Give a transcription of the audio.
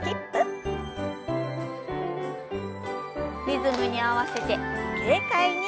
リズムに合わせて軽快に。